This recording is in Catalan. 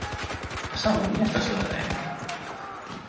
A Sagunt hi ha estació de tren?